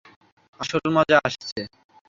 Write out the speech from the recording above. আসল মজা আসছে।